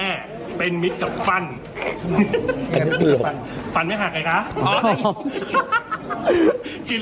เดี๋ยวนี้เรียกกูคุณแม่เมื่อก่อนเรียก